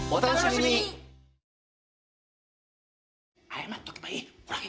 謝っとけばいい。